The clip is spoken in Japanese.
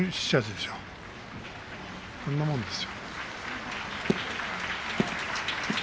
そんなもんですよ。